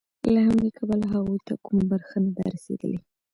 له همدې کبله هغوی ته کومه برخه نه ده رسېدلې